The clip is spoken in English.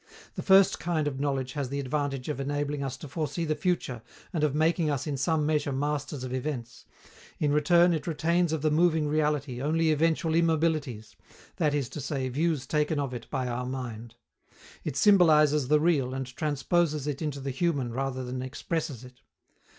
The first kind of knowledge has the advantage of enabling us to foresee the future and of making us in some measure masters of events; in return, it retains of the moving reality only eventual immobilities, that is to say, views taken of it by our mind. It symbolizes the real and transposes it into the human rather than expresses it.